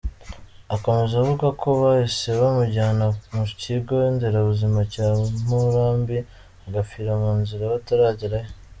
Akomeza avuga ko bahise bamujyana ku kigo nderabuzima cya Murambi, agapfira mu nzira bataragerayo.